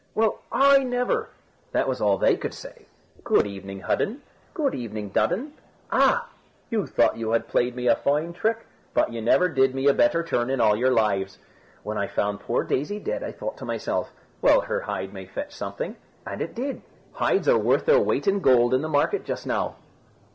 "Well, I never!" that was all they could say. "Good evening, Hudden; good evening, Dudden. Ah! you thought you had played me a fine trick, but you never did me a better turn in all your lives. When I found poor Daisy dead, I thought to myself, 'Well, her hide may fetch something;' and it did. Hides are worth their weight in gold in the market just now."